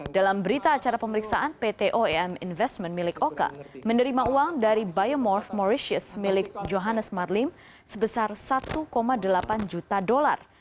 dalam berita acara pemeriksaan pt oem investment milik oka menerima uang dari biomorf morrises milik johannes marlim sebesar satu delapan juta dolar